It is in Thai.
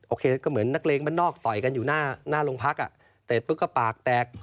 ก็เหมือนนักเลงบ้านนอกต่อยกันอยู่หน้าโรงพักอ่ะเตะปุ๊บก็ปากแตก